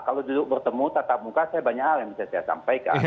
kalau duduk bertemu tatap muka saya banyak hal yang bisa saya sampaikan